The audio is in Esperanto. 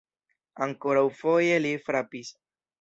Ankoraŭfoje li frapis.